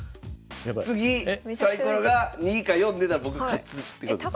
次サイコロが２か４出たら僕勝つってことですね？